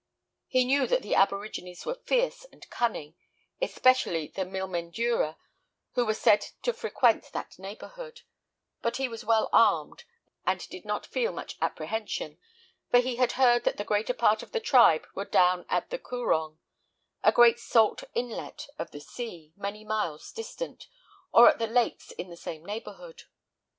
He knew that the aborigines were fierce and cunning, especially the Milmendura, who were said to frequent that neighbourhood; but he was well armed, and did not feel much apprehension, for he had heard that the greater part of the tribe were down at the Coorong, a great salt inlet of the sea, many miles distant, or at the lakes in the same neighbourhood.